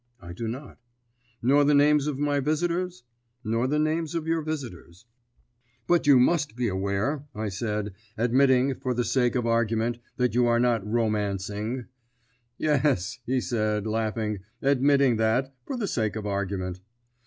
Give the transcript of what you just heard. "I do not." "Nor the names of my visitors?" "Nor the names of your visitors." "But you must be aware," I said, "admitting, for the sake of argument, that you are not romancing " "Yes," he said, laughing, "admitting that, for the sake of argument."